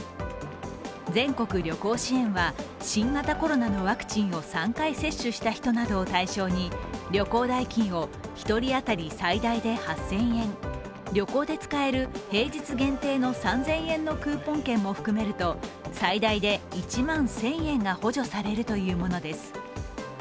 全国旅行支援は新型コロナのワクチンを３回接種した人などを対象に旅行代金を１人当たり最大で８０００円旅行で使える平日限定の３０００円のクーポン券も含めると最大で１万１０００円が補助されるというものです。